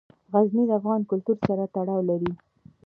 غزني د افغان کلتور سره تړاو لري.